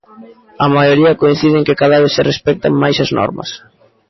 A maioría coincide en que cada vez se respectan máis as normas.